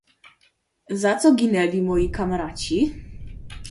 "Za co ginęli moi kamraci?..."